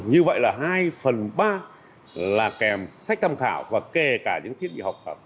như vậy là hai phần ba là kèm sách tham khảo và kể cả những thiết bị học tập